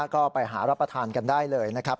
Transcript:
ก็ไปหารับประทานกันได้เลยนะครับ